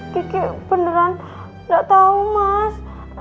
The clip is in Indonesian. kike beneran gak tau mas